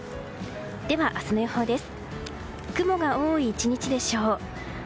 では明日の予報です。